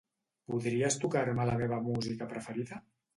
Podries tocar-me la meva música preferida?